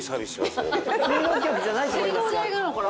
水道代なのかな？